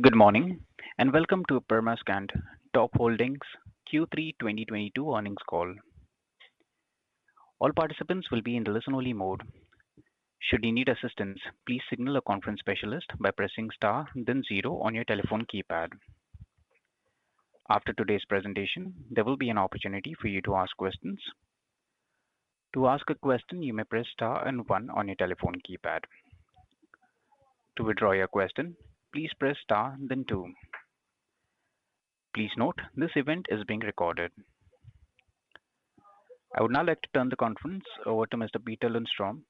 Good morning, and welcome to Permascand Top Holding AB Q3 2022 earnings call. All participants will be in the listen-only mode. Should you need assistance, please signal a conference specialist by pressing Star then zero on your telephone keypad. After today's presentation, there will be an opportunity for you to ask questions. To ask a question, you may press star and one on your telephone keypad. To withdraw your question, please press star then two. Please note, this event is being recorded. I would now like to turn the conference over to Mr. Peter Lundström,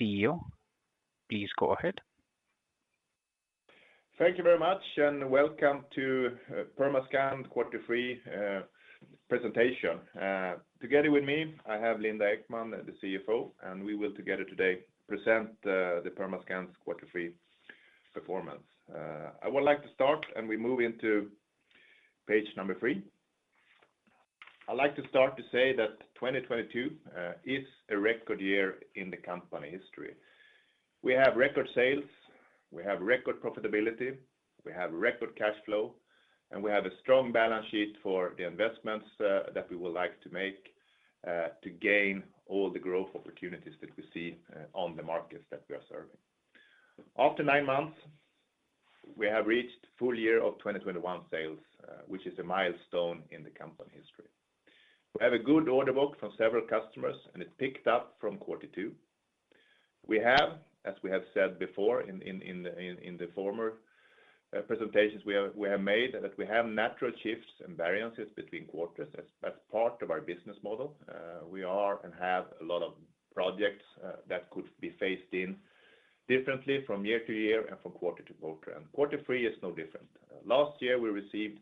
CEO. Please go ahead. Thank you very much, and welcome to Permascand quarter three presentation. Together with me, I have Linda Ekman, the CFO, and we will together today present the Permascand's quarter three performance. I would like to start, and we move into page number 3. I'd like to start to say that 2022 is a record year in the company history. We have record sales, we have record profitability, we have record cash flow, and we have a strong balance sheet for the investments that we would like to make to gain all the growth opportunities that we see on the markets that we are serving. After nine months, we have reached full year of 2021 sales, which is a milestone in the company history. We have a good order book from several customers, and it picked up from quarter two. We have, as we have said before in the former presentations we have made, that we have natural shifts and variances between quarters as part of our business model. We are and have a lot of projects that could be phased in differently from year to year and from quarter to quarter. Quarter three is no different. Last year, we received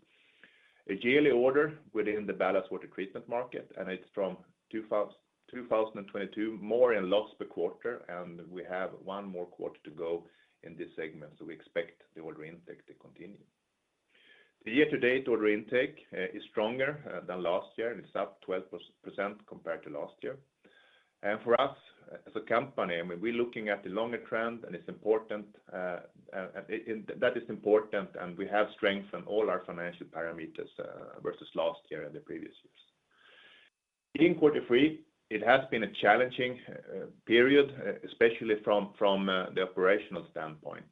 a yearly order within the ballast water treatment market, and it's from 2022, more in last quarter, and we have one more quarter to go in this segment. We expect the order intake to continue. The year-to-date order intake is stronger than last year, and it's up 12% compared to last year. For us as a company, I mean, we're looking at the longer trend and it's important, and that is important, and we have strength in all our financial parameters versus last year and the previous years. In quarter three, it has been a challenging period, especially from the operational standpoint.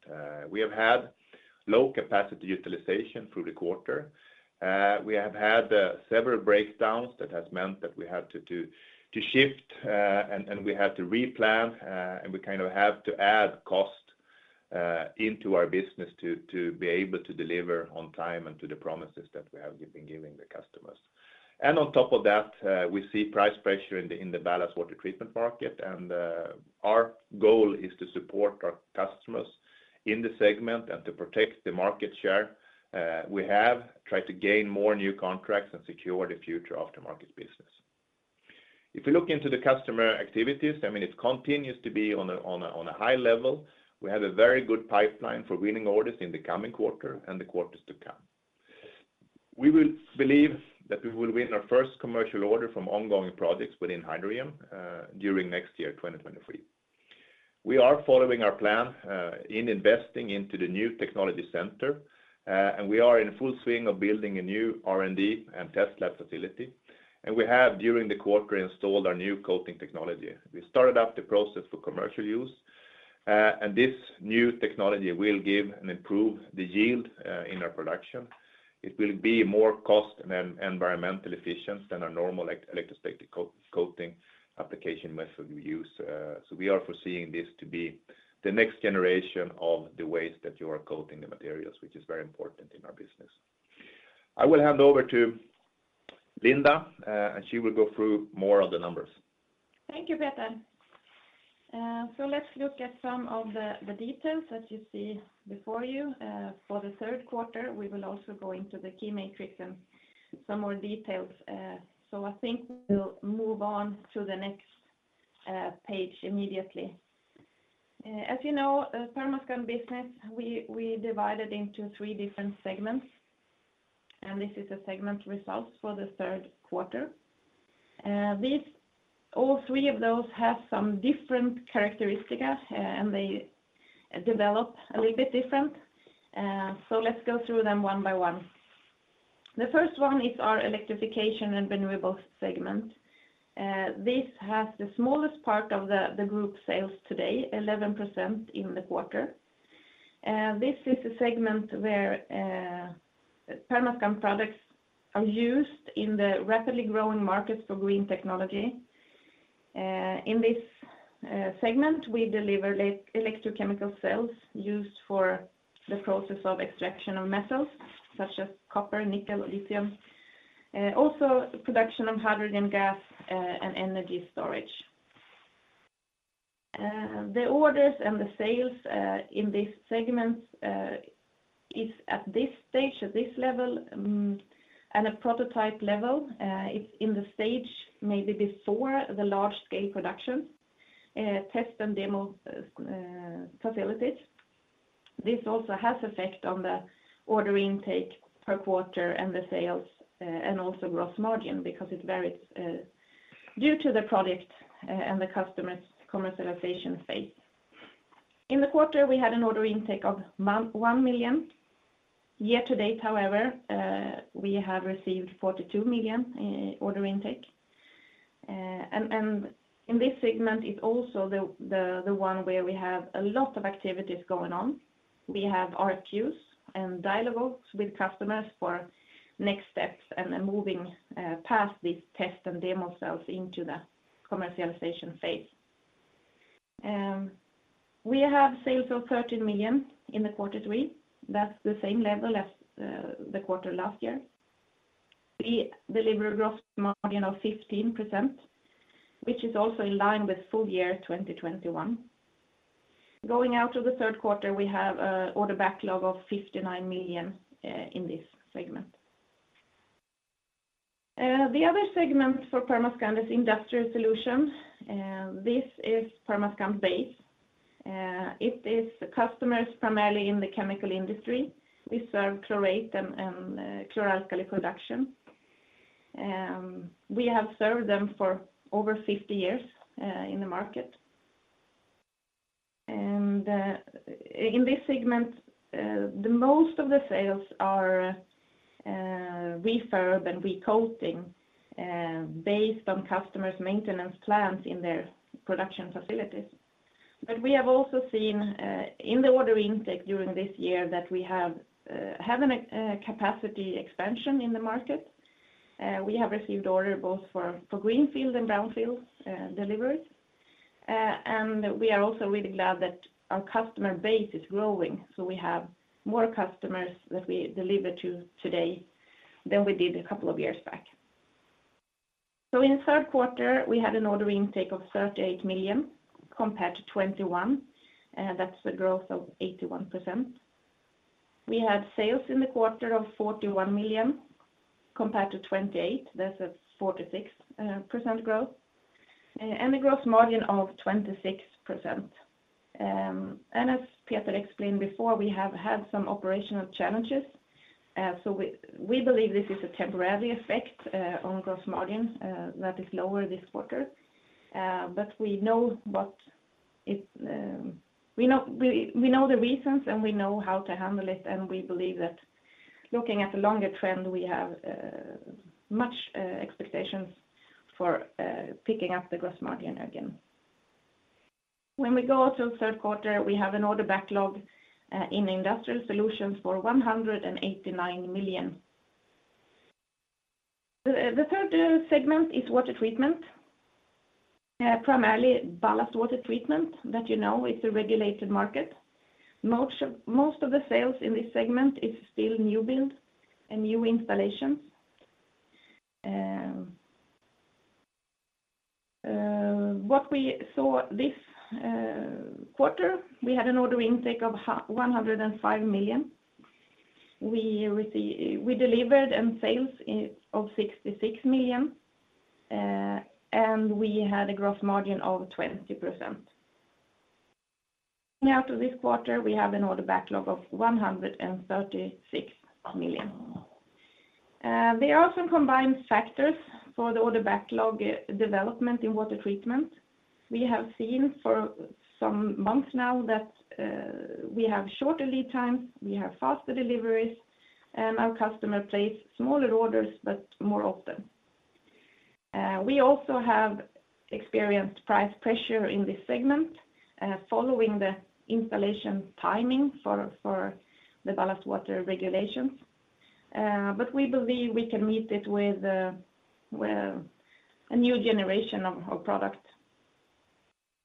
We have had low capacity utilization through the quarter. We have had several breakdowns that has meant that we have to shift, and we have to replan, and we kind of have to add cost into our business to be able to deliver on time and to the promises that we have been giving the customers. On top of that, we see price pressure in the ballast water treatment market. Our goal is to support our customers in the segment and to protect the market share. We have tried to gain more new contracts and secure the future of the market business. If you look into the customer activities, I mean, it continues to be on a high level. We have a very good pipeline for winning orders in the coming quarter and the quarters to come. We believe that we will win our first commercial order from ongoing projects within hydrogen during next year, 2023. We are following our plan in investing into the new technology center, and we are in full swing of building a new R&D and test lab facility. We have, during the quarter, installed our new coating technology. We started up the process for commercial use, and this new technology will give and improve the yield in our production. It will be more cost and then environmental efficient than our normal electrostatic coating application method we use. We are foreseeing this to be the next generation of the ways that you are coating the materials, which is very important in our business. I will hand over to Linda, and she will go through more of the numbers. Thank you, Peter. Let's look at some of the details that you see before you, for the third quarter. We will also go into the key metrics and some more details. I think we'll move on to the next page immediately. As you know, Permascand business, we divided into three different segments, and this is a segment results for the third quarter. These all three of those have some different characteristic, and they develop a little bit different. Let's go through them one by one. The first one is our electrification and renewables segment. This has the smallest part of the group sales today, 11% in the quarter. This is a segment where Permascand products are used in the rapidly growing markets for green technology. In this segment, we deliver electrochemical cells used for the process of extraction of metals such as copper, nickel, lithium, also production of hydrogen gas, and energy storage. The orders and the sales in this segment is at this stage, at this level, at a prototype level. It's in the stage maybe before the large scale production, test and demo facilities. This also has effect on the order intake per quarter and the sales, and also gross margin because it varies due to the product and the customer's commercialization phase. In the quarter, we had an order intake of 1 million. Year to date, however, we have received 42 million in order intake. In this segment is also the one where we have a lot of activities going on. We have RFQ and dialogues with customers for next steps and then moving past these test and demo sales into the commercialization phase. We have sales of 13 million in quarter three. That's the same level as the quarter last year. We deliver a gross margin of 15%, which is also in line with full year 2021. Going out to the third quarter, we have a order backlog of 59 million in this segment. The other segment for Permascand is industrial solutions. This is Permascand base. It is the customers primarily in the chemical industry. We serve chlorate and chloralkali production. We have served them for over 50 years in the market. In this segment, the most of the sales are refurb and recoating based on customers' maintenance plans in their production facilities. We have also seen in the order intake during this year that we have a capacity expansion in the market. We have received order both for greenfield and brownfield deliveries. We are also really glad that our customer base is growing, so we have more customers that we deliver to today than we did a couple of years back. In the third quarter, we had an order intake of 38 million compared to 21 million, that's a growth of 81%. We had sales in the quarter of 41 million compared to 28 million. That's a 46% growth and a gross margin of 26%. As Peter explained before, we have had some operational challenges. We believe this is a temporary effect on gross margin that is lower this quarter. We know the reasons, and we know how to handle it, and we believe that looking at the longer trend, we have high expectations for picking up the gross margin again. When we go to the third quarter, we have an order backlog in industrial solutions for 189 million. The third segment is water treatment, primarily ballast water treatment that you know is a regulated market. Most of the sales in this segment is still new build and new installations. What we saw this quarter, we had an order intake of 105 million. We delivered in sales of 66 million, and we had a gross margin of 20%. Now to this quarter, we have an order backlog of 136 million. There are some combined factors for the order backlog development in water treatment. We have seen for some months now that we have shorter lead times, we have faster deliveries, and our customer place smaller orders, but more often. We also have experienced price pressure in this segment following the installation timing for the ballast water regulations. We believe we can meet it with a new generation of our product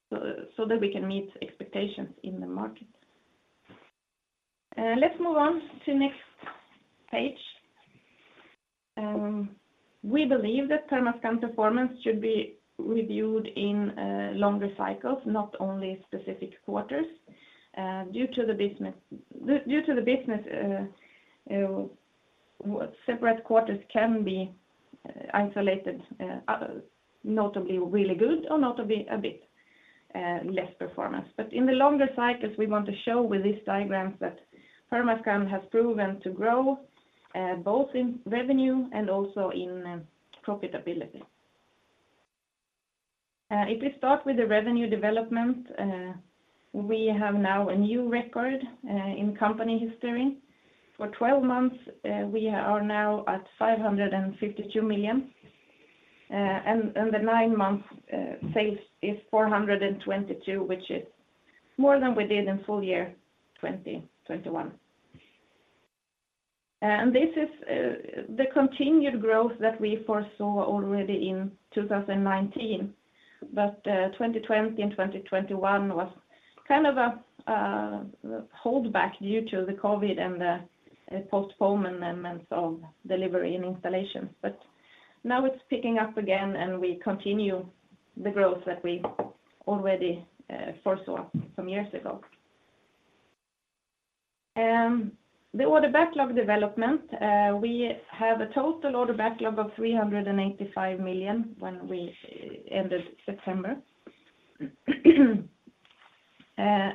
so that we can meet expectations in the market. Let's move on to next page. We believe that Permascand performance should be reviewed in longer cycles, not only specific quarters. Due to the business, separate quarters can be isolated, notably really good or notably a bit less performance. In the longer cycles, we want to show with these diagrams that Permascand has proven to grow both in revenue and also in profitability. If we start with the revenue development, we have now a new record in company history. For 12 months, we are now at 552 million, and the 9-month sales is 422 million, which is more than we did in full year 2021. This is the continued growth that we foresaw already in 2019, but 2020 and 2021 was kind of a hold back due to the COVID and the postponement of delivery and installation. Now it's picking up again, and we continue the growth that we already foresaw some years ago. The order backlog development, we have a total order backlog of 385 million when we ended September. As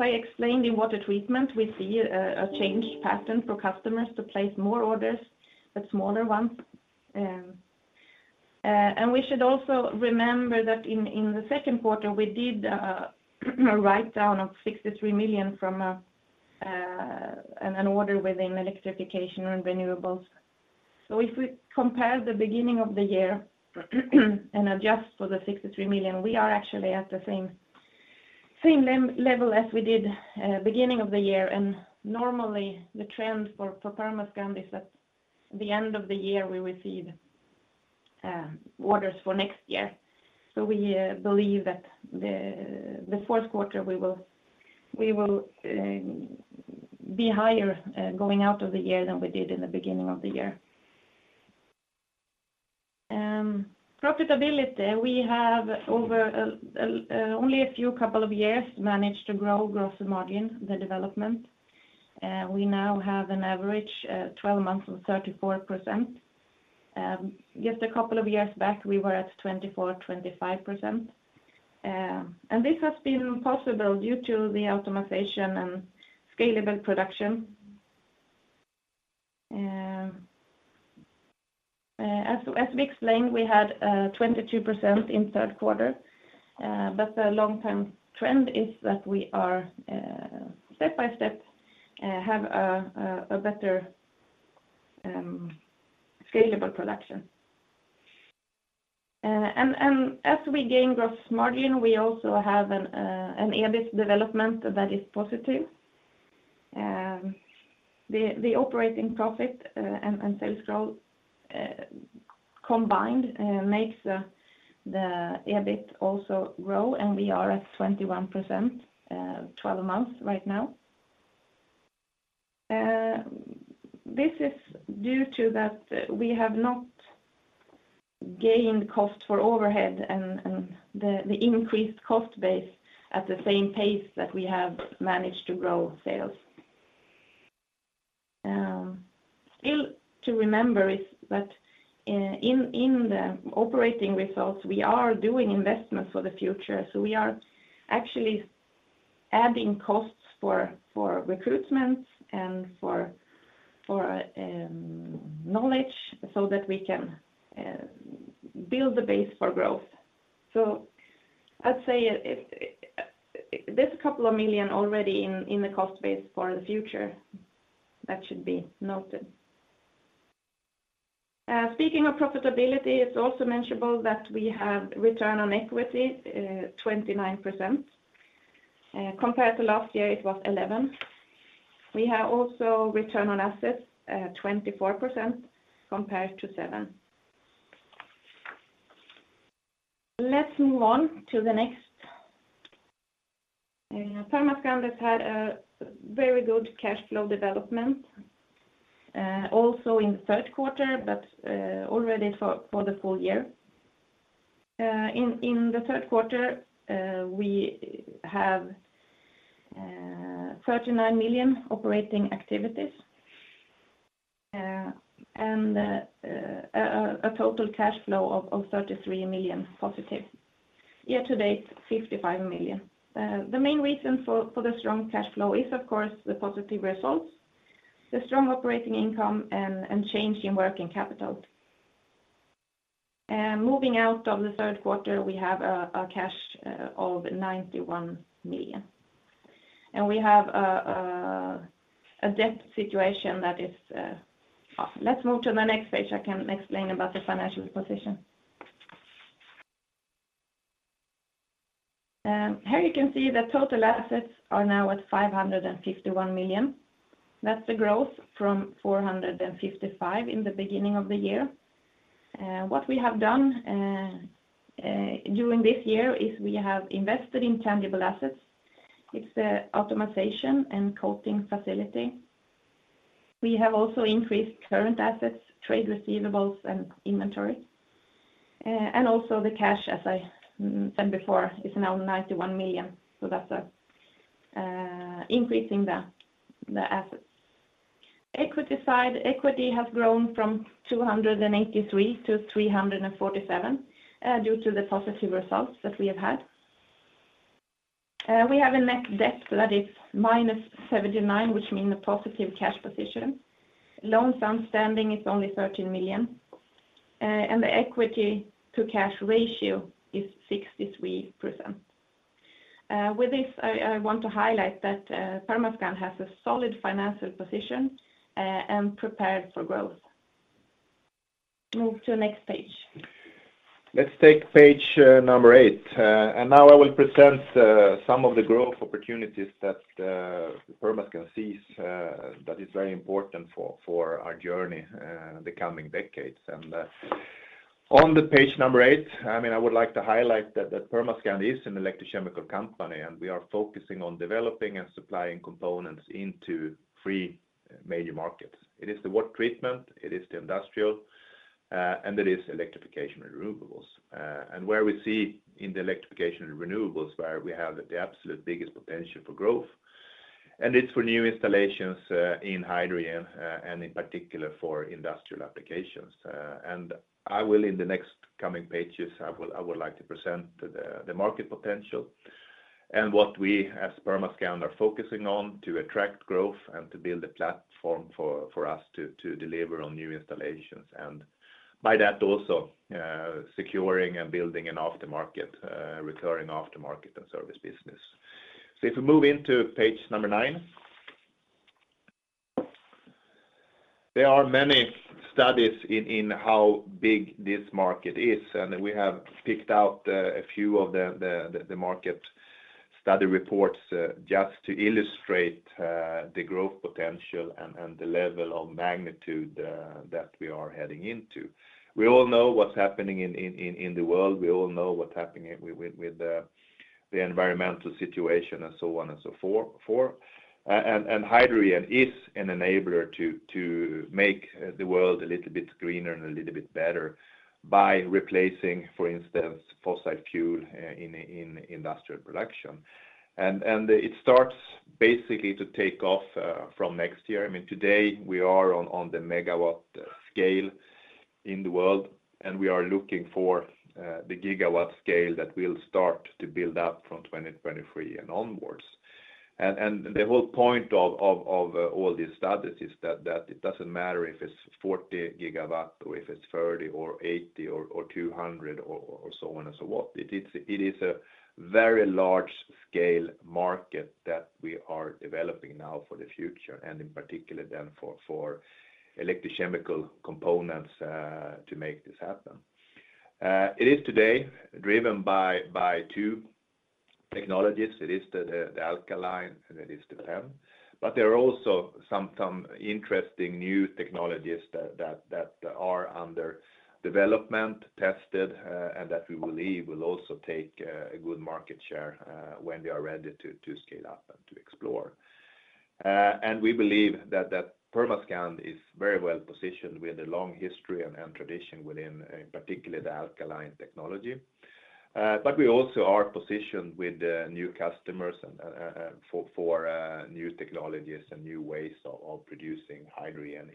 I explained in water treatment, we see a changed pattern for customers to place more orders, but smaller ones. We should also remember that in the second quarter, we did a write down of 63 million from an order within electrification and renewables. If we compare the beginning of the year and adjust for the 63 million, we are actually at the same level as we did beginning of the year. Normally the trend for Permascand is at the end of the year we receive orders for next year. We believe that the fourth quarter we will be higher going out of the year than we did in the beginning of the year. Profitability, we have over a couple of years managed to grow gross margin, the development. We now have an average 12 months of 34%. Just a couple of years back, we were at 24%-25%. This has been possible due to the optimization and scalable production. As we explained, we had 22% in third quarter, but the long-term trend is that we are step by step have a better scalable production. As we gain gross margin, we also have an EBIT development that is positive. The operating profit and sales growth combined makes the EBIT also grow, and we are at 21% twelve months right now. This is due to that we have not gained costs for overhead and the increased cost base at the same pace that we have managed to grow sales. Still to remember is that in the operating results, we are doing investments for the future. We are actually adding costs for recruitment and for knowledge so that we can build the base for growth. I'd say it. There's a couple of million already in the cost base for the future that should be noted. Speaking of profitability, it's also mentionable that we have return on equity, 29%. Compared to last year, it was 11%. We have also return on assets, 24% compared to 7%. Let's move on to the next. Permascand has had a very good cash flow development, also in the third quarter, but already for the full year. In the third quarter, we have 39 million operating activities, and a total cash flow of 33 million positive. Year to date, 55 million. The main reason for the strong cash flow is of course the positive results, the strong operating income and change in working capital. Moving out of the third quarter, we have a cash of 91 million. We have a debt situation that is. Let's move to the next page. I can explain about the financial position. Here you can see the total assets are now at 551 million. That's the growth from 455 million in the beginning of the year. What we have done during this year is we have invested in tangible assets. It's the optimization and coating facility. We have also increased current assets, trade receivables, and inventory. And also the cash, as I said before, is now 91 million, so that's increasing the assets. Equity side, equity has grown from 283 to 347 due to the positive results that we have had. We have a net debt that is -79, which mean a positive cash position. Loans outstanding is only 13 million. The equity to cash ratio is 63%. With this, I want to highlight that Permascand has a solid financial position and prepared for growth. Move to the next page. Let's take page number 8. Now I will present some of the growth opportunities that Permascand sees, that is very important for our journey the coming decades. On the page number 8, I mean, I would like to highlight that Permascand is an electrochemical company, and we are focusing on developing and supplying components into three major markets. It is the water treatment, it is the industrial, and it is electrification and renewables. Where we see in the electrification and renewables, where we have the absolute biggest potential for growth. And it's for new installations, in hydrogen, and in particular for industrial applications. I will in the next coming pages. I would like to present the market potential and what we as Permascand are focusing on to attract growth and to build a platform for us to deliver on new installations. By that also, securing and building an aftermarket, recurring aftermarket and service business. If we move into page number 9. There are many studies in how big this market is, and we have picked out a few of the market study reports, just to illustrate the growth potential and the level of magnitude that we are heading into. We all know what's happening in the world. We all know what's happening with the environmental situation and so on and so forth. Hydrogen is an enabler to make the world a little bit greener and a little bit better by replacing, for instance, fossil fuel in industrial production. It starts basically to take off from next year. I mean, today we are on the megawatt scale in the world, and we are looking for the gigawatt scale that will start to build up from 2023 and onwards. The whole point of all these studies is that it doesn't matter if it's 40 GW or if it's 30 or 80 or 200 or so on and so forth. It is a very large-scale market that we are developing now for the future, and in particular then for electrochemical components to make this happen. It is today driven by two technologies. It is the alkaline, and it is the PEM. There are also some interesting new technologies that are under development, tested, and that we believe will also take a good market share when they are ready to scale up and to explore. We believe that Permascand is very well-positioned with a long history and tradition within particularly the alkaline technology. We also are positioned with new customers and for new technologies and new ways of producing hydrogen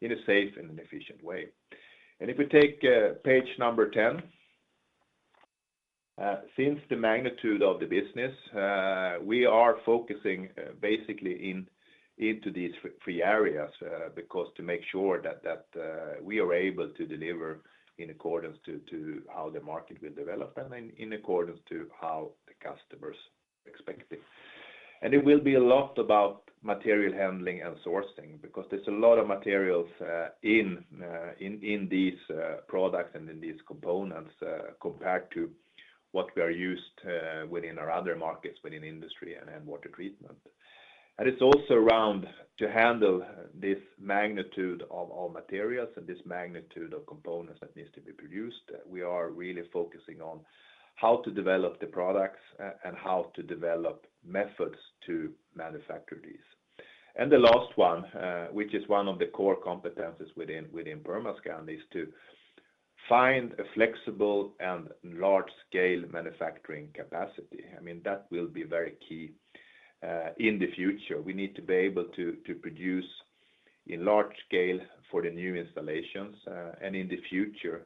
in a safe and an efficient way. If we take page number 10, since the magnitude of the business, we are focusing basically into these three areas, because to make sure that we are able to deliver in accordance to how the market will develop and in accordance to how the customers expect it. It will be a lot about material handling and sourcing, because there's a lot of materials in these products and in these components, compared to what we are used to within our other markets, within industry and water treatment. It's also around to handle this magnitude of materials and this magnitude of components that needs to be produced. We are really focusing on how to develop the products and how to develop methods to manufacture these. The last one, which is one of the core competencies within Permascand, is to find a flexible and large-scale manufacturing capacity. I mean, that will be very key in the future. We need to be able to produce in large scale for the new installations. In the future,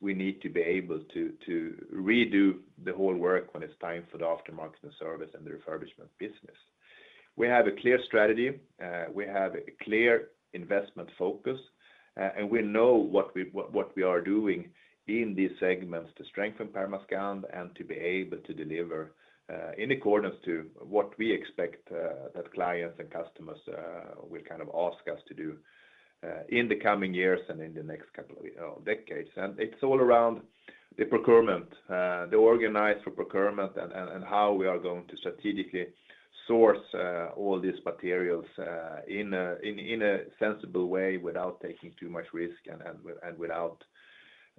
we need to be able to redo the whole work when it's time for the aftermarket and service and the refurbishment business. We have a clear strategy, we have a clear investment focus, and we know what we are doing in these segments to strengthen Permascand and to be able to deliver in accordance to what we expect that clients and customers will kind of ask us to do in the coming years and in the next couple of decades. It's all around the procurement, the organized for procurement and how we are going to strategically source all these materials in a sensible way without taking too much risk and without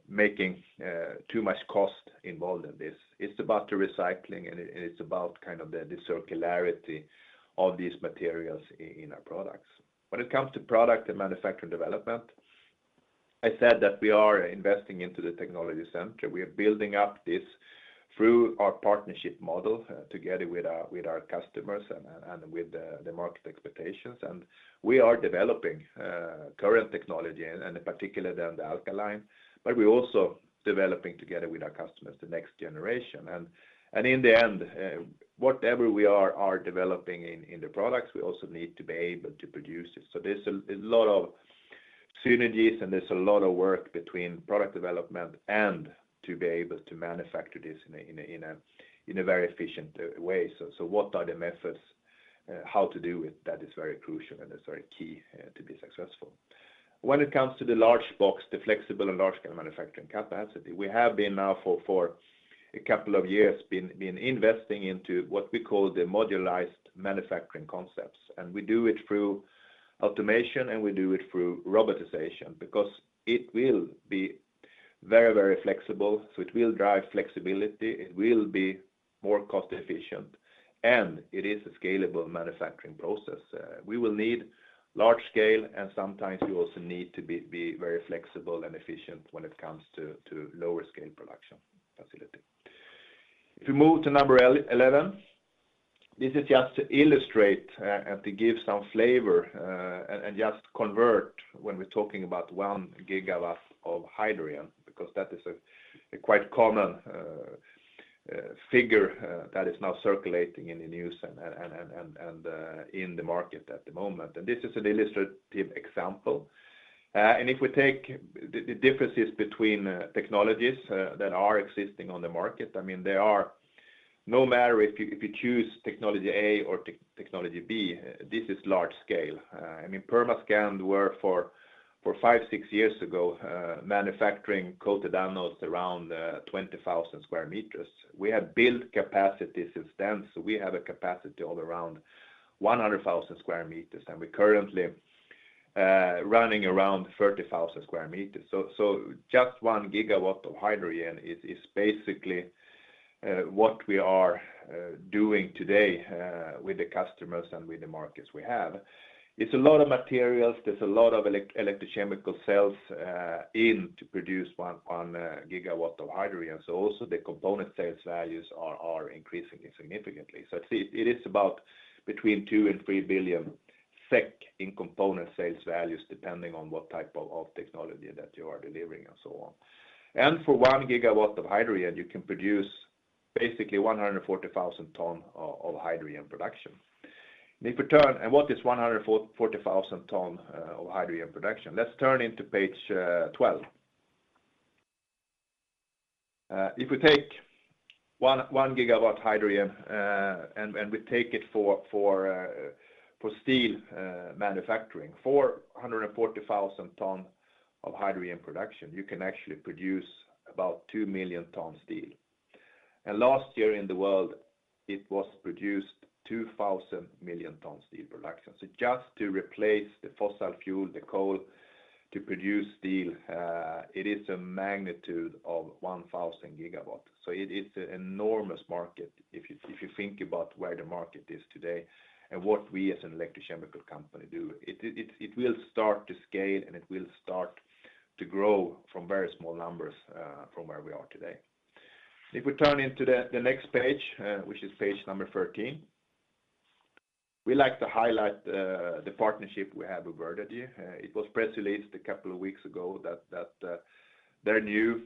making too much cost involved in this. It's about the recycling, it's about kind of the circularity of these materials in our products. When it comes to product and manufacturing development, I said that we are investing into the technology center. We are building up this through our partnership model together with our customers and with the market expectations. We are developing current technology and in particular the alkaline, but we're also developing together with our customers the next generation. In the end, whatever we are developing in the products, we also need to be able to produce it. There's a lot of synergies and there's a lot of work between product development and to be able to manufacture this in a very efficient way. What are the methods, how to do it, that is very crucial and it's very key to be successful. When it comes to the large box, the flexible and large-scale manufacturing capacity, we have been now for a couple of years been investing into what we call the modularized manufacturing concepts. We do it through automation, and we do it through robotization because it will be very flexible. It will drive flexibility, it will be more cost-efficient, and it is a scalable manufacturing process. We will need large scale, and sometimes you also need to be very flexible and efficient when it comes to lower scale production facility. If we move to number 11, this is just to illustrate and to give some flavor and just convert when we're talking about 1 GW of hydrogen, because that is a quite common figure that is now circulating in the news and in the market at the moment. This is an illustrative example. If we take the differences between technologies that are existing on the market, I mean, there are no matter if you choose technology A or technology B, this is large scale. I mean, Permascand was for 5-6 years ago manufacturing coated anodes around 20,000 square meters. We have built capacities since then, so we have a capacity of around 100,000 square meters, and we're currently running around 30,000 square meters. Just 1 GW of hydrogen is basically what we are doing today with the customers and with the markets we have. It's a lot of materials, there's a lot of electrochemical cells in to produce 1 GW of hydrogen. Also the component sales values are increasing significantly. It's about between 2 billion and 3 billion SEK in component sales values, depending on what type of technology that you are delivering and so on. For 1 GW of hydrogen, you can produce basically 140,000 tons of hydrogen production. What is 140,000 tons of hydrogen production? Let's turn to page 12. If we take 1 GW hydrogen and we take it for steel manufacturing, for 140,000 tons of hydrogen production, you can actually produce about 2 million tons of steel. Last year in the world, it was produced 2 billion tons of steel production. Just to replace the fossil fuel, the coal to produce steel, it is a magnitude of 1,000 GW. It is an enormous market if you think about where the market is today and what we as an electrochemical company do. It will start to scale and it will start to grow from very small numbers from where we are today. If we turn to the next page, which is page number 13, we like to highlight the partnership we have with Verdagy. It was press released a couple of weeks ago that their new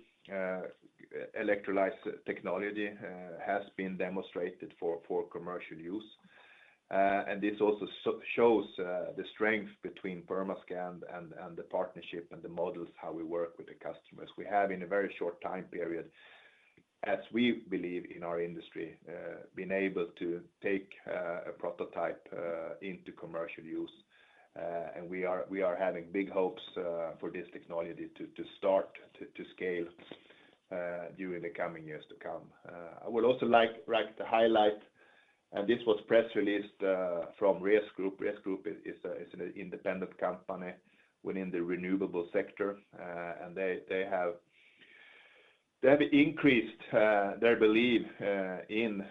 electrolyzer technology has been demonstrated for commercial use. This also shows the strength between Permascand and the partnership and the models, how we work with the customers. We have in a very short time period, as we believe in our industry, been able to take a prototype into commercial use. We are having big hopes for this technology to start to scale during the coming years to come. I would also like to highlight, and this was press released from RES Group. RES Group is an independent company within the renewable sector, and they have increased their belief in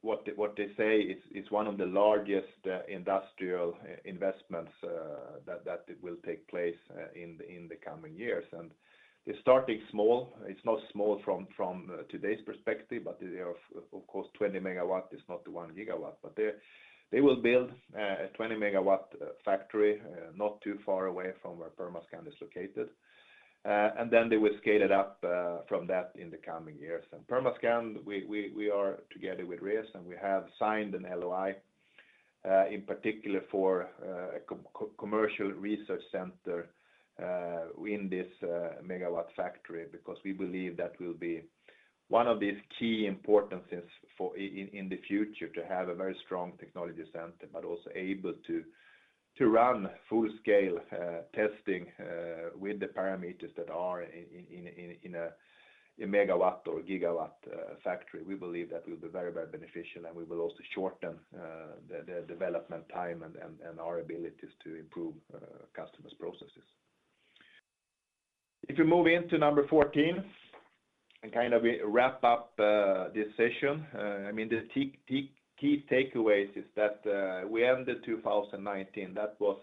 what they say is one of the largest industrial investments that will take place in the coming years. They're starting small. It's not small from today's perspective, but of course, 20 MW is not the 1 GW. They will build a 20 MW factory not too far away from where Permascand is located. They will scale it up from that in the coming years. Permascand, we are together with RES, and we have signed an LOI in particular for a co-commercial research center in this megawatt factory, because we believe that will be one of the key importances in the future to have a very strong technology center, but also able to run full-scale testing with the parameters that are in a megawatt or gigawatt factory. We believe that will be very beneficial, and we will also shorten the development time and our abilities to improve customers' processes. If you move into number 14 and kind of wrap up this session, I mean, the key takeaways is that we ended 2019. That was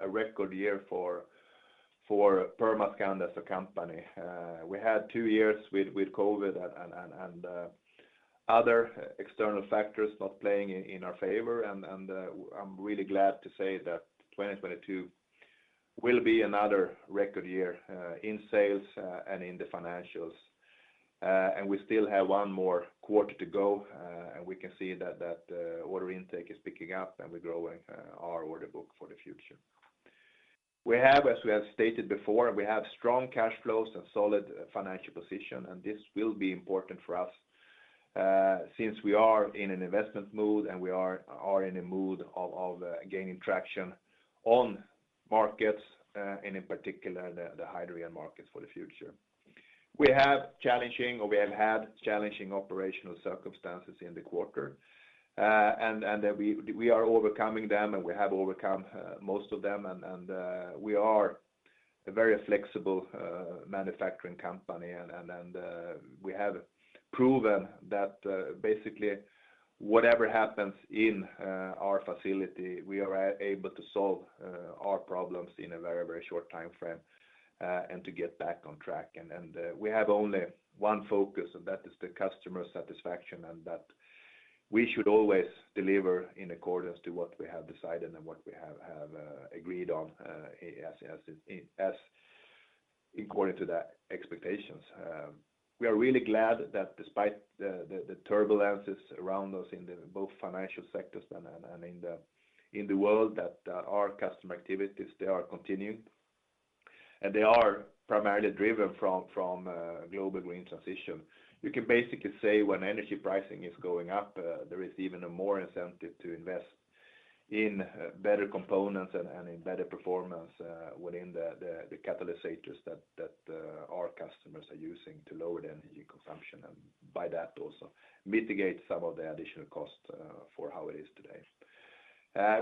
a record year for Permascand as a company. We had two years with COVID and other external factors not playing in our favor. I'm really glad to say that 2022 will be another record year in sales and in the financials. We still have one more quarter to go, and we can see that order intake is picking up and we're growing our order book for the future. We have, as we have stated before, strong cash flows and solid financial position, and this will be important for us since we are in an investment mood and we are in a mood of gaining traction on markets and in particular the hydrogen markets for the future. We have had challenging operational circumstances in the quarter, and we are overcoming them and we have overcome most of them, and we are a very flexible manufacturing company, and we have proven that, basically. Whatever happens in our facility, we are able to solve our problems in a very short timeframe, and to get back on track. We have only one focus, and that is the customer satisfaction, and that we should always deliver in accordance to what we have decided and what we have agreed on, according to the expectations. We are really glad that despite the turbulences around us in both financial sectors and in the world, our customer activities they are continuing. They are primarily driven from global green transition. You can basically say when energy pricing is going up, there is even more incentive to invest in better components and in better performance within the catalyst sectors that our customers are using to lower the energy consumption and by that also mitigate some of the additional cost for how it is today.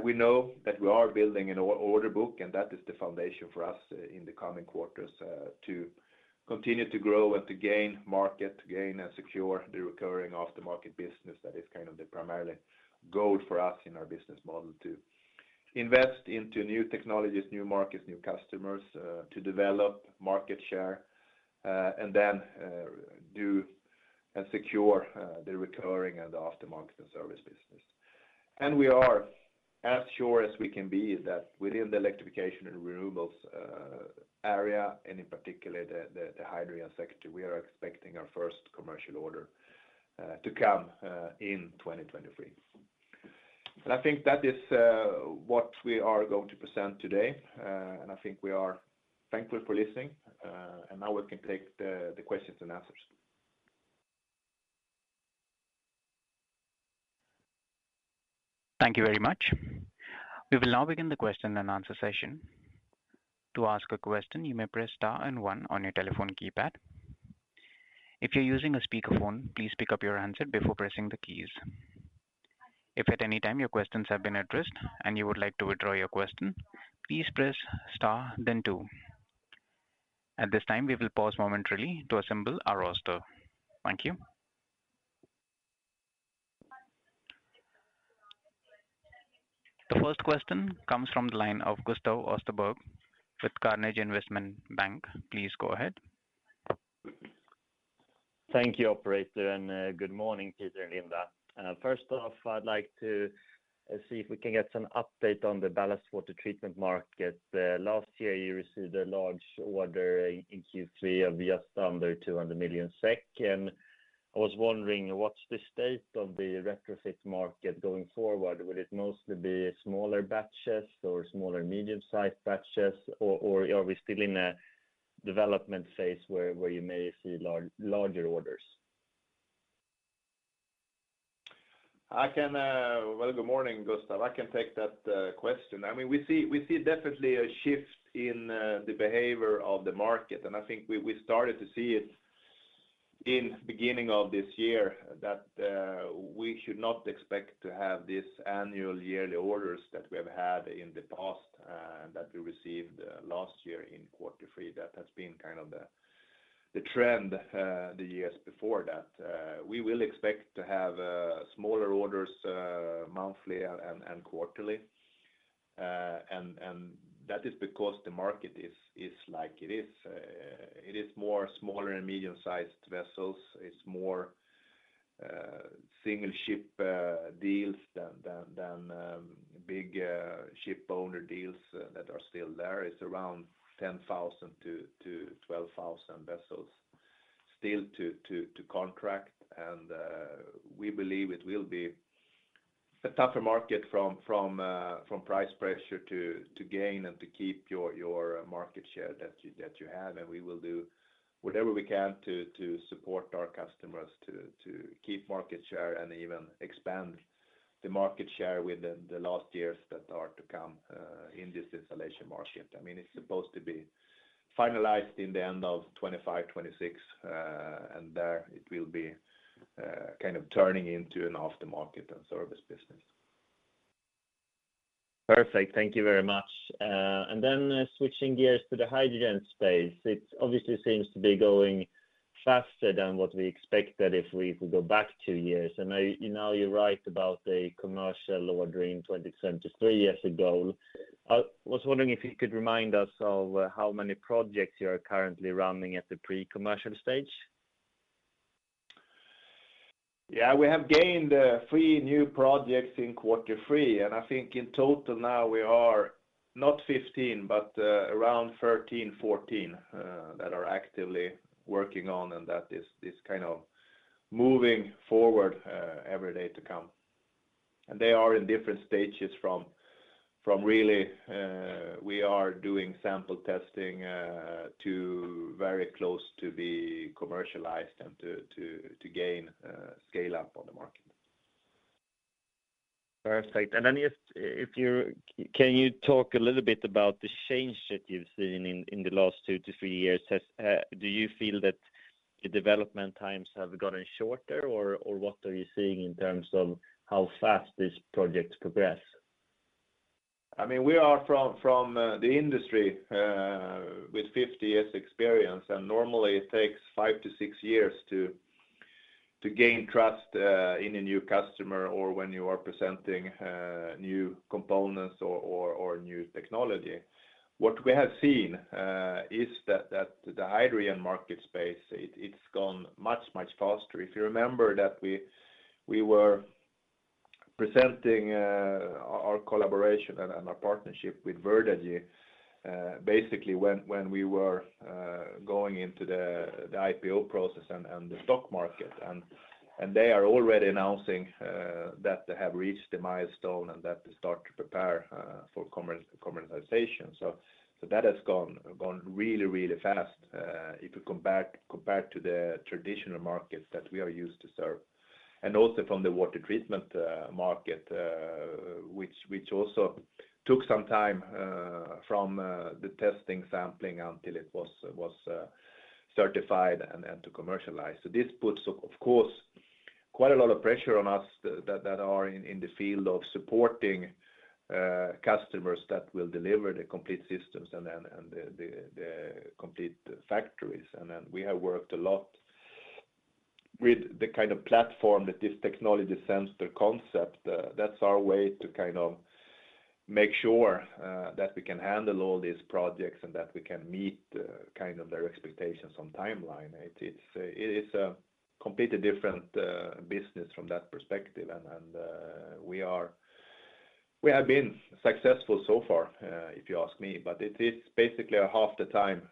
We know that we are building an order book, and that is the foundation for us in the coming quarters to continue to grow and to gain market and secure the recurring aftermarket business that is kind of the primary goal for us in our business model, to invest into new technologies, new markets, new customers to develop market share, and then do and secure the recurring and the aftermarket and service business. We are as sure as we can be that within the electrification and renewables area, and in particular the hydrogen sector, we are expecting our first commercial order to come in 2023. I think that is what we are going to present today. I think we are thankful for listening. Now we can take the questions and answers. Thank you very much. We will now begin the question and answer session. To ask a question, you may press star and one on your telephone keypad. If you're using a speakerphone, please pick up your handset before pressing the keys. If at any time your questions have been addressed and you would like to withdraw your question, please press star then two. At this time, we will pause momentarily to assemble our roster. Thank you. The first question comes from the line of Gustav Österberg with Carnegie Investment Bank. Please go ahead. Thank you, operator. Good morning, Peter and Linda. First off, I'd like to see if we can get some update on the ballast water treatment market. Last year, you received a large order in Q3 of just under 200 million SEK. I was wondering, what's the state of the retrofit market going forward? Will it mostly be smaller batches or small or medium-sized batches? Or are we still in a development phase where you may see larger orders? Well, good morning, Gustav. I can take that question. I mean, we see definitely a shift in the behavior of the market. I think we started to see it in beginning of this year that we should not expect to have this annual yearly orders that we have had in the past, that we received last year in quarter three. That has been kind of the trend the years before that. We will expect to have smaller orders monthly and quarterly. That is because the market is like it is. It is more smaller and medium-sized vessels. It's more single ship deals than big ship owner deals that are still there. It's around 10,000 to 12,000 vessels still to contract. We believe it will be a tougher market from price pressure to gain and to keep your market share that you have. We will do whatever we can to support our customers to keep market share and even expand the market share with the last years that are to come in this installation market. I mean, it's supposed to be finalized in the end of 2025, 2026, and there it will be kind of turning into an aftermarket and service business. Perfect. Thank you very much. Switching gears to the hydrogen space, it obviously seems to be going faster than what we expected if we go back two years. You know, you're right about a commercial order in 2023 years ago. I was wondering if you could remind us of how many projects you are currently running at the pre-commercial stage. Yeah, we have gained 3 new projects in quarter three, and I think in total now we are not 15, but around 13, 14 that are actively working on, and that is kind of moving forward every day to come. They are in different stages from really we are doing sample testing to very close to be commercialized and to gain scale-up on the market. Perfect. Can you talk a little bit about the change that you've seen in the last 2-3 years? Do you feel that the development times have gotten shorter or what are you seeing in terms of how fast these projects progress? I mean, we are from the industry with 50 years experience, and normally it takes 5-6 years to gain trust in a new customer or when you are presenting new components or new technology. What we have seen is that the hydrogen market space, it's gone much faster. If you remember that we were presenting our collaboration and our partnership with Verdagy, basically when we were going into the IPO process and the stock market. They are already announcing that they have reached the milestone and that they start to prepare for commercialization. That has gone really fast if you compare to the traditional markets that we are used to serve. Also from the water treatment market, which also took some time from the testing sampling until it was certified and to commercialize. This puts of course quite a lot of pressure on us that are in the field of supporting customers that will deliver the complete systems and the complete factories. We have worked a lot with the kind of platform that this technology sends the concept. That's our way to kind of make sure that we can handle all these projects and that we can meet kind of their expectations on timeline. It is a completely different business from that perspective. We have been successful so far, if you ask me. It is basically half the time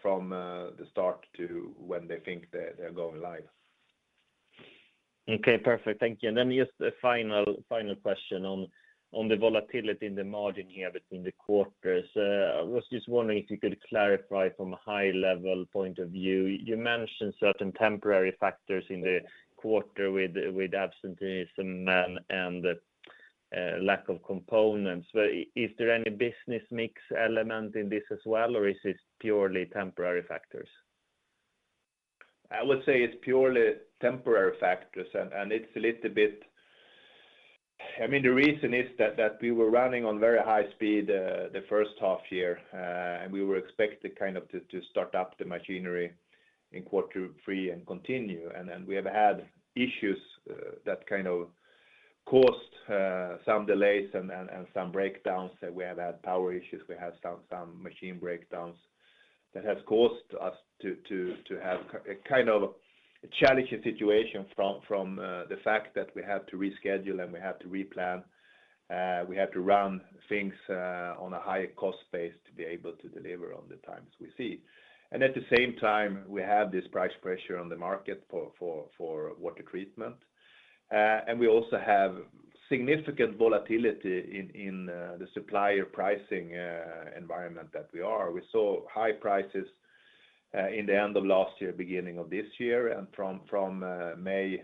from the start to when they think they're going live. Okay, perfect. Thank you. Then just a final question on the volatility in the margin here between the quarters. I was just wondering if you could clarify from a high level point of view. You mentioned certain temporary factors in the quarter with absenteeism and lack of components. Is there any business mix element in this as well, or is this purely temporary factors? I would say it's purely temporary factors, and it's a little bit. I mean, the reason is that we were running on very high speed the first half year, and we were expected to kind of start up the machinery in quarter three and continue. Then we have had issues that kind of caused some delays and some breakdowns that we have had power issues. We have some machine breakdowns that has caused us to have kind of a challenging situation from the fact that we had to reschedule and we had to replan. We had to run things on a higher cost base to be able to deliver on the times we see. At the same time, we have this price pressure on the market for water treatment. We also have significant volatility in the supplier pricing environment that we are. We saw high prices in the end of last year, beginning of this year, and from May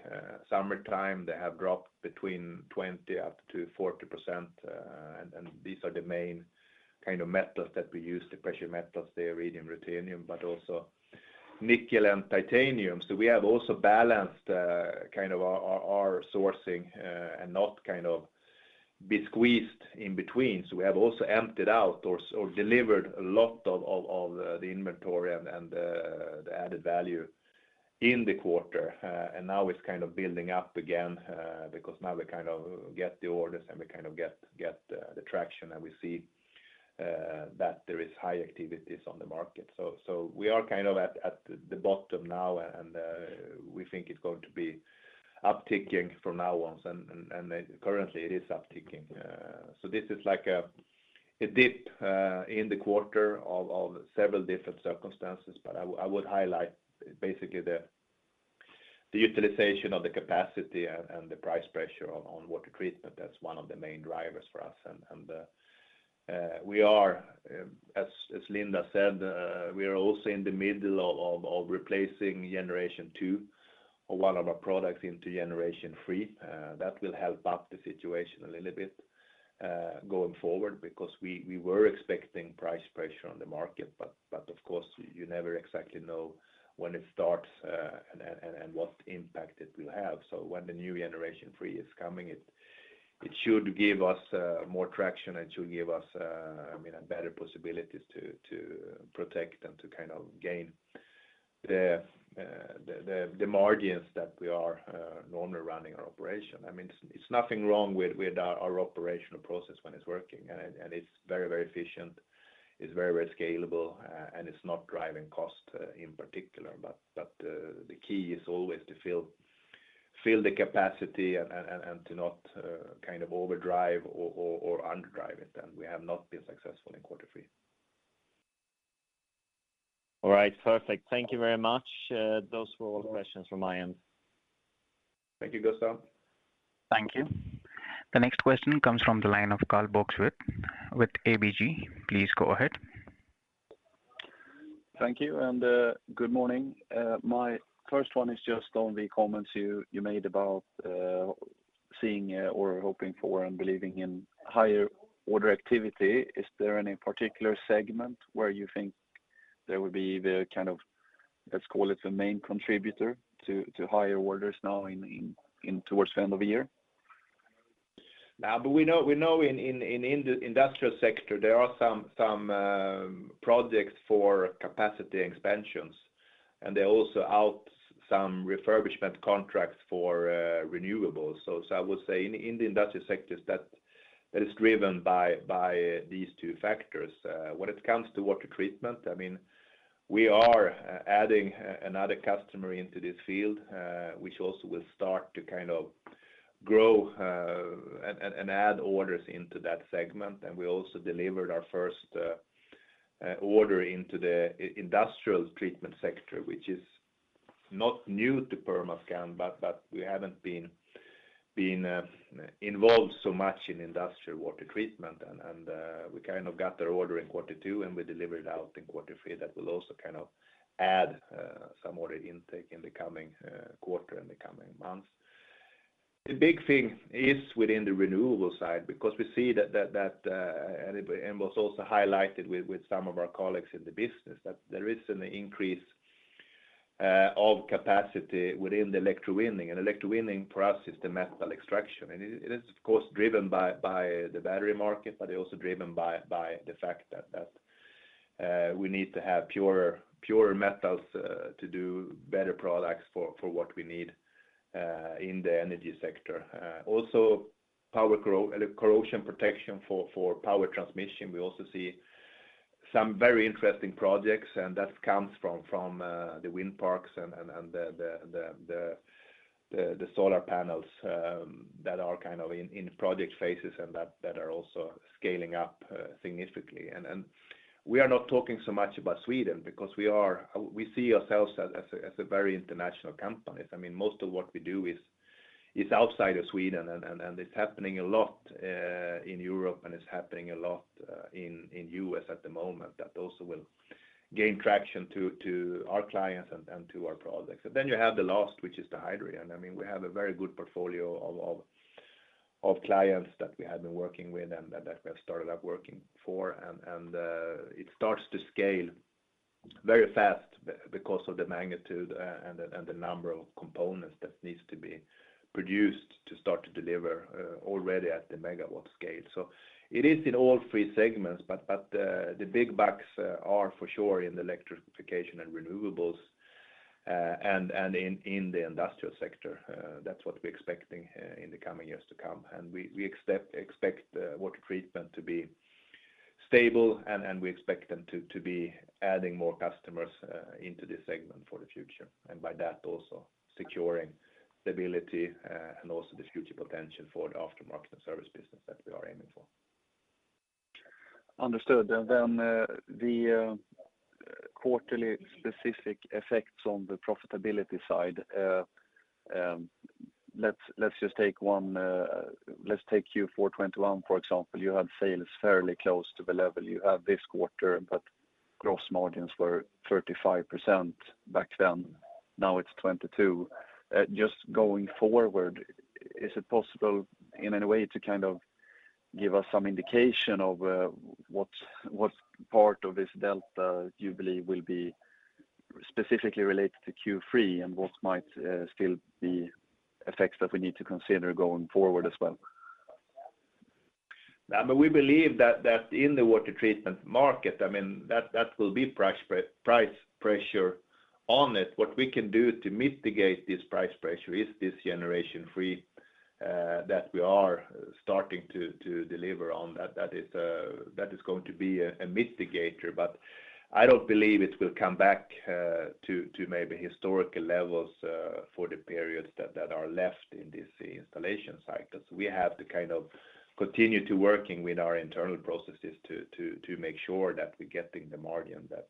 summertime, they have dropped between 20%-40%. These are the main kind of metals that we use, the precious metals, the iridium, ruthenium, but also nickel and titanium. We have also balanced kind of our sourcing and not kind of be squeezed in between. We have also emptied out or delivered a lot of the inventory and the added value in the quarter. Now it's kind of building up again, because now we kind of get the orders and we kind of get the traction and we see that there is high activities on the market. We are kind of at the bottom now, and we think it's going to be upticking from now on. Currently it is upticking. This is like a dip in the quarter of several different circumstances. I would highlight basically the utilization of the capacity and the price pressure on water treatment. That's one of the main drivers for us. We are, as Linda said, we are also in the middle of replacing generation two of one of our products into generation three. That will help out the situation a little bit going forward because we were expecting price pressure on the market. Of course, you never exactly know when it starts and what impact it will have. When the new generation three is coming, it should give us more traction. It should give us, I mean, a better possibilities to protect and to kind of gain the margins that we are normally running our operation. I mean, it's nothing wrong with our operational process when it's working. It's very efficient, it's very scalable and it's not driving cost in particular. The key is always to fill the capacity and to not kind of overdrive or underdrive it. We have not been successful in quarter three. All right. Perfect. Thank you very much. Those were all questions from my end. Thank you, Gustav. Thank you. The next question comes from the line of Karl Bokvist with ABG. Please go ahead. Thank you, and good morning. My first one is just on the comments you made about seeing or hoping for and believing in higher order activity. Is there any particular segment where you think there will be the kind of, let's call it, the main contributor to higher orders now in towards the end of the year? We know in the industrial sector there are some projects for capacity expansions, and they also have some refurbishment contracts for renewables. I would say in the industrial sectors that is driven by these two factors. When it comes to water treatment, I mean, we are adding another customer into this field, which also will start to kind of grow and add orders into that segment. We also delivered our first order into the industrial treatment sector, which is not new to Permascand, but we haven't been involved so much in industrial water treatment. We kind of got their order in quarter two, and we delivered it in quarter three. That will also kind of add some order intake in the coming quarter and the coming months. The big thing is within the renewable side, because we see that and it was also highlighted with some of our colleagues in the business, that there is an increase of capacity within the electrowinning. Electrowinning, for us, is the metal extraction. It is, of course, driven by the battery market, but they're also driven by the fact that we need to have pure metals to do better products for what we need in the energy sector. Also power corrosion protection for power transmission. We also see some very interesting projects, and that comes from the wind parks and the solar panels that are kind of in project phases and that are also scaling up significantly. We are not talking so much about Sweden because we see ourselves as a very international company. I mean, most of what we do is outside of Sweden and it's happening a lot in Europe, and it's happening a lot in the U.S. at the moment. That also will gain traction to our clients and to our projects. You have the last, which is the hydrogen. I mean, we have a very good portfolio of clients that we have been working with and that we have started up working for. It starts to scale very fast because of the magnitude and the number of components that needs to be produced to start to deliver already at the megawatt scale. It is in all three segments, but the big bucks are for sure in the electrification and renewables and in the industrial sector. That's what we're expecting in the coming years to come. We expect water treatment to be stable and we expect them to be adding more customers into this segment for the future. By that also securing stability, and also the future potential for the aftermarket and service business that we are aiming for. Understood. The quarterly specific effects on the profitability side, let's just take one, let's take Q4 2021, for example. You had sales fairly close to the level you have this quarter, but gross margins were 35% back then. Now it's 22%. Just going forward, is it possible in any way to kind of give us some indication of what part of this delta you believe will be specifically related to Q3 and what might still be effects that we need to consider going forward as well? We believe that in the water treatment market, I mean, that will be price pressure on it. What we can do to mitigate this price pressure is this generation three that we are starting to deliver on that. That is going to be a mitigator, but I don't believe it will come back to maybe historical levels for the periods that are left in this installation cycle. We have to kind of continue to working with our internal processes to make sure that we're getting the margin that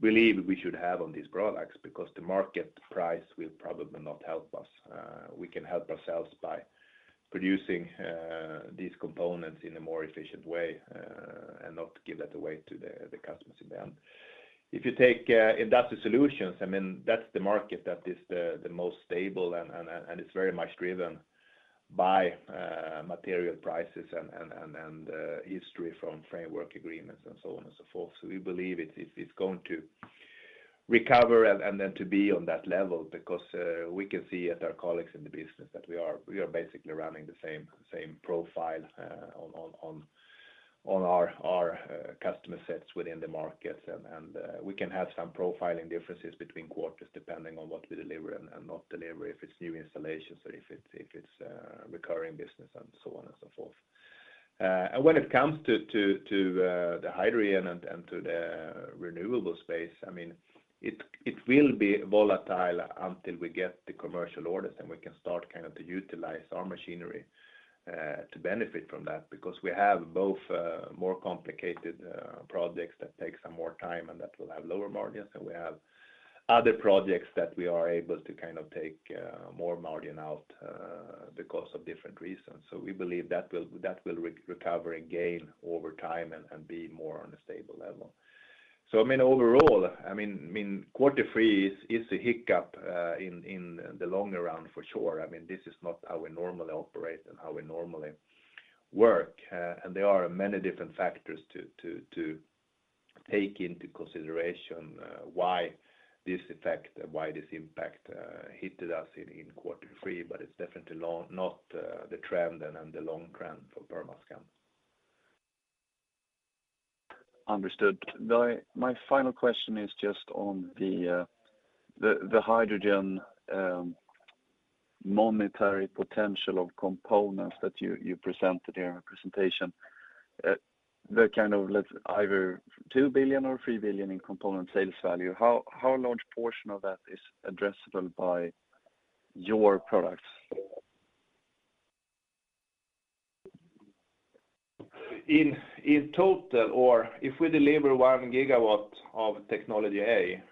we believe we should have on these products, because the market price will probably not help us. We can help ourselves by producing these components in a more efficient way and not give that away to the customers in the end. If you take industrial solutions, I mean, that's the market that is the most stable and it's very much driven by material prices and history from framework agreements and so on and so forth. We believe it's going to recover and then to be on that level because we can see that our colleagues in the business that we are basically running the same profile on our customer sets within the markets. We can have some profitability differences between quarters depending on what we deliver and not deliver, if it's new installations or if it's recurring business and so on and so forth. When it comes to the hydrogen and to the renewable space, I mean, it will be volatile until we get the commercial orders, and we can start kind of to utilize our machinery to benefit from that because we have both more complicated projects that take some more time and that will have lower margins, and we have other projects that we are able to kind of take more margin out because of different reasons. We believe that will recover and gain over time and be more on a stable level. I mean, overall, quarter three is a hiccup in the long run for sure. I mean, this is not how we normally operate and how we normally work. There are many different factors to take into consideration why this effect, why this impact hit us in quarter three. It's definitely not the trend and the long trend for Permascand. Understood. My final question is just on the hydrogen monetary potential of components that you presented in your presentation. The kind of let's either 2 billion or 3 billion in component sales value. How large portion of that is addressable by your products? In total or if we deliver 1 GW of technology A,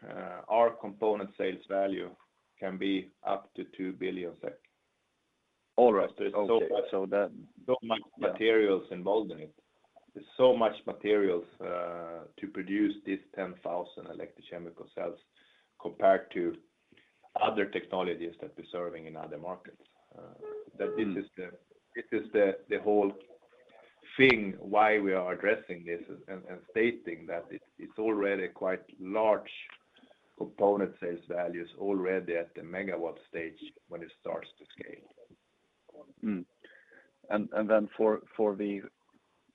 our component sales value can be up to 2 billion SEK. All right. That Much materials involved in it. There's so much materials to produce these 10,000 electrochemical cells compared to other technologies that we're serving in other markets. That this is the whole thing why we are addressing this and stating that it's already quite large component sales values already at the megawatt stage when it starts to scale. For the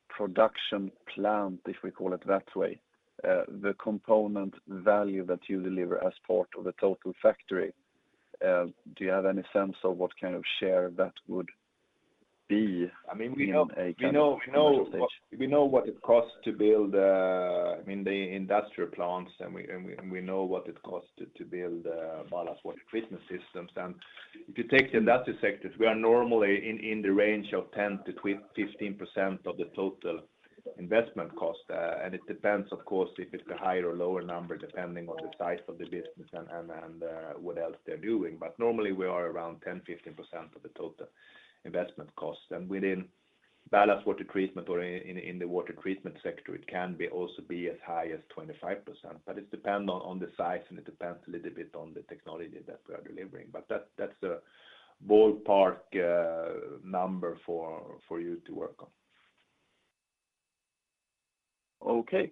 production plant, if we call it that way, the component value that you deliver as part of the total factory, do you have any sense of what kind of share that would be? I mean, we know what it costs to build the industrial plants and we know what it costs to build ballast water treatment systems. If you take the industry sectors, we are normally in the range of 10%-15% of the total investment cost. It depends, of course, if it's a higher or lower number, depending on the size of the business and what else they're doing. Normally we are around 10-15% of the total investment costs. Within ballast water treatment or in the water treatment sector, it can also be as high as 25%. It depend on the size, and it depends a little bit on the technology that we are delivering. That's a ballpark number for you to work on. Okay.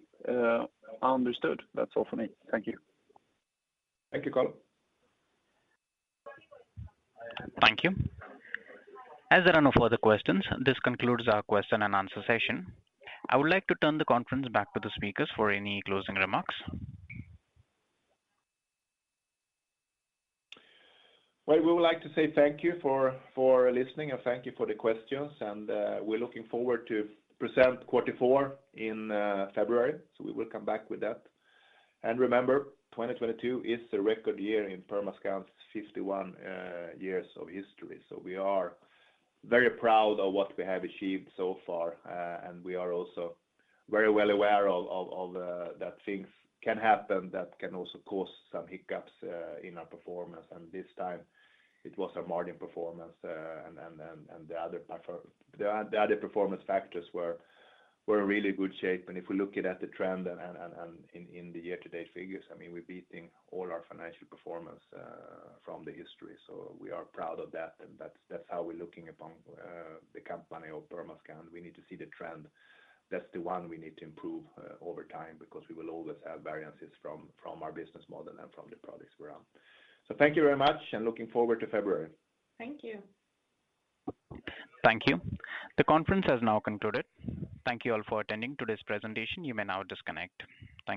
Understood. That's all for me. Thank you. Thank you, Karl. Thank you. As there are no further questions, this concludes our question and answer session. I would like to turn the conference back to the speakers for any closing remarks. Well, we would like to say thank you for listening and thank you for the questions, and we're looking forward to present quarter four in February. We will come back with that. Remember, 2022 is a record year in Permascand's 51 years of history. We are very proud of what we have achieved so far, and we are also very well aware that things can happen that can also cause some hiccups in our performance. This time it was our margin performance, and the other performance factors were in really good shape. If we look at the trend and in the year-to-date figures, I mean, we're beating all our financial performance from the history. We are proud of that, and that's how we're looking upon the company of Permascand. We need to see the trend. That's the one we need to improve over time, because we will always have variances from our business model and from the products we're on. Thank you very much and looking forward to February. Thank you. Thank you. The conference has now concluded. Thank you all for attending today's presentation. You may now disconnect.